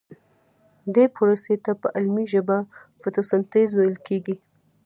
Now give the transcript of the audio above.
دې پروسې ته په علمي ژبه فتوسنتیز ویل کیږي